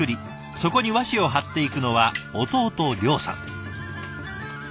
そこに和紙を貼っていくのは弟諒さん。